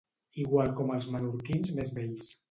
Igual com els menorquins més vells.